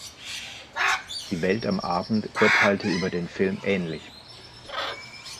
Die Welt am Abend urteilte über den Film ähnlich.